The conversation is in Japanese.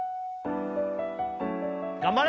頑張れ！